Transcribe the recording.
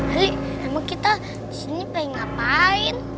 ali emang kita disini pengen ngapain